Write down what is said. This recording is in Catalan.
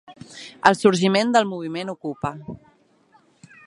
El sorgiment del moviment ocupa.